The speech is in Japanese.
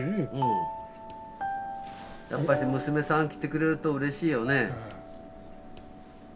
やっぱし娘さん来てくれるとうれしいよね。